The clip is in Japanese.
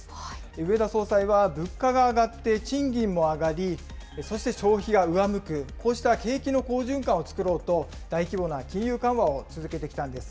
植田総裁は物価が上がって賃金が上がり、そして消費が上向く、こうした景気の好循環を作ろうと大規模な金融緩和を続けてきたんです。